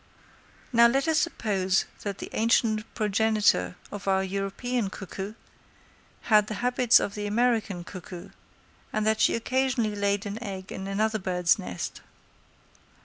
Now let us suppose that the ancient progenitor of our European cuckoo had the habits of the American cuckoo, and that she occasionally laid an egg in another bird's nest.